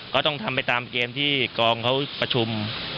ก็ต้องทำไปตามเกมที่กองเขาประชุม